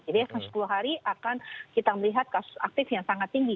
jadi selama sepuluh hari akan kita melihat kasus aktif yang sangat tinggi